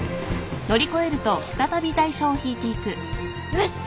よし。